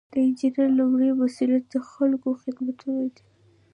د انجینر لومړی مسؤلیت د خلکو خوندیتوب دی.